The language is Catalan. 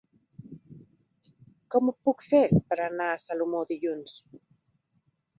Com ho puc fer per anar a Salomó dilluns?